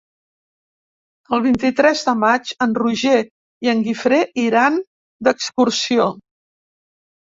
El vint-i-tres de maig en Roger i en Guifré iran d'excursió.